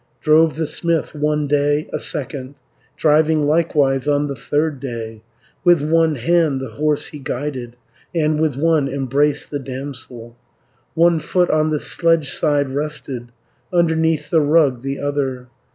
Drove the smith one day, a second, Driving likewise on the third day; With one hand the horse he guided, And with one embraced the damsel, One foot on the sledge side rested, Underneath the rug the other.